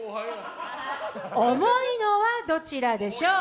重いのはどちらでしょう？